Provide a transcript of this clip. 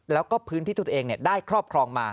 แล้วก็พื้นที่ทุกอย่างเองเนี่ยได้ครอบครองมา